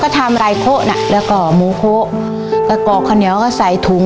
ทำไรข้อกก็หมูข้อกเข้าเหนียวก็ใส่ถุง